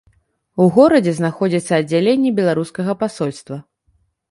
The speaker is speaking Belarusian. У горадзе знаходзіцца аддзяленне беларускага пасольства.